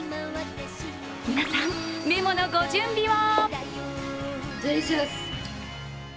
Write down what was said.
皆さん、メモのご準備を。